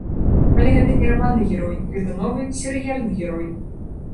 Але гэта не раманны герой, гэта новы серыяльны герой.